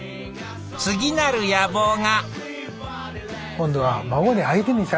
次なる野望が。